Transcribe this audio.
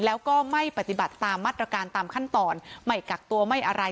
แล้วก็ไม่ปฏิบัติตามมาตรการตามขั้นตอนไม่กักตัวไม่อะไร